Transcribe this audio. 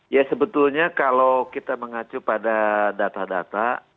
ya sebetulnya kalau kita mengacu pada data data